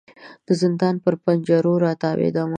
د زندان پر پنجرو را تاویدمه